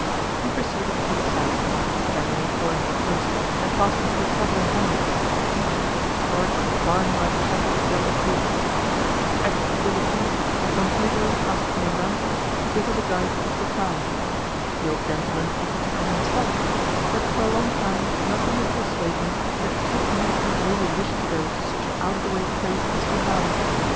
We proceeded to the south generally following the coast, and passing through several hamlets, each with its large barn like chapel built of wood. At Vilipilli, Don Pedro asked the commandant to give us a guide to Cucao. The old gentleman offered to come himself; but for a long time nothing would persuade him that two Englishmen really wished to go to such an out of the way place as Cucao.